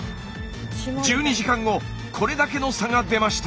１２時間後これだけの差が出ました。